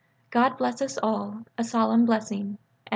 God bless us all: a solemn blessing.